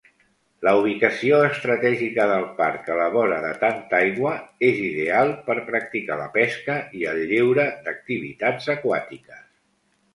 La ubicació estratègica del parc a la vora de tanta aigua és ideal per practicar la pesca i el lleure d'activitats aquàtiques.